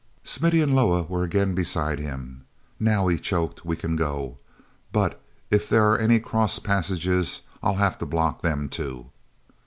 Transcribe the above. Smithy and Loah were again beside him. "Now," he choked, "we can go, but if there are any cross passages I'll have to block them too."